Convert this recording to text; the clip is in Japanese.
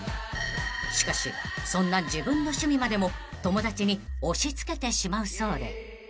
［しかしそんな自分の趣味までも友達に押し付けてしまうそうで］